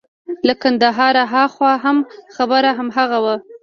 له کندهاره هاخوا هم خبره هماغه وه.